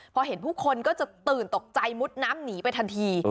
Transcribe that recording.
พอเห็นผู้คนก็จะตื่นตกใจมุดน้ำหนีไปทันที